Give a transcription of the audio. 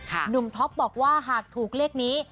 หนุ่มท็อปบอกว่าหากถูกเลขนี้